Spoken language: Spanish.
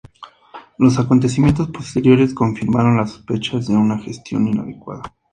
Los acontecimientos posteriores confirmaron las sospechas de una gestión inadecuada.